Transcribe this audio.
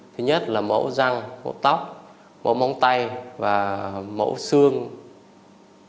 thứ nhất là mẫu răng mẫu tóc mẫu móng tay và mẫu xương cẳng tay của nạn nhân